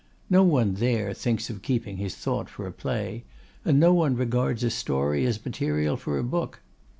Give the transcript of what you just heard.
No one there thinks of keeping his thought for a play; and no one regards a story as material for a book.